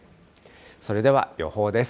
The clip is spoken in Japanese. それでは予報です。